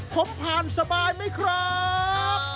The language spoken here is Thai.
ผมผ่านสบายมั้ยครับ